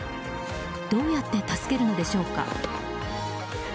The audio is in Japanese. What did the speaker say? どうやって助けるのでしょうか。